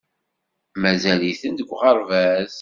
Mazal-iten deg uɣerbaz.